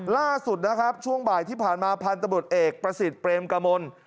ล่าสุดนะครับช่วงบ่ายที่ผ่านมาพันธบทเอกประสิทธิ์เปรมกมล